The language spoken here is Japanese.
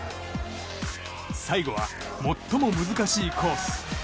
最後は最も難しいコース。